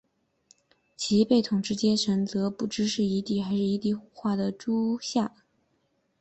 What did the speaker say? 其被统治阶层则不知是夷狄还是夷狄化的诸夏。